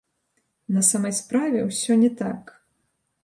На самай справе, усё не так.